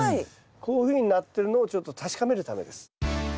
こういうふうになってるのをちょっと確かめるためです。